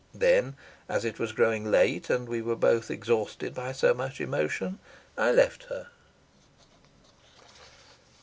Then, as it was growing late and we were both exhausted by so much emotion, I left her.